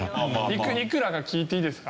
いくらか聞いていいですか？